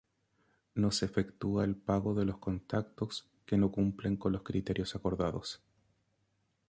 No se efectúa el pago de los contactos que no cumplen los criterios acordados.